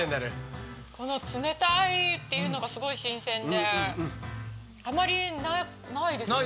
この冷たいっていうのがすごい新鮮であまりないですよね？